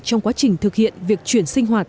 trong quá trình thực hiện việc chuyển sinh hoạt